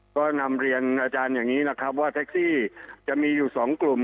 ก็นำเรียนอาจารย์อย่างนี้นะครับว่าแท็กซี่จะมีอยู่๒กลุ่ม